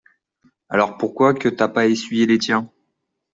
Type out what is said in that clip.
Alors pourquoi que t’as pas essuyé les tiens ?